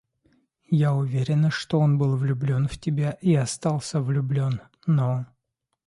Я уверена, что он был влюблен в тебя и остался влюблен, но...